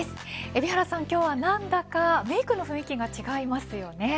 海老原さんは今日は何だかメークの雰囲気が違いますよね。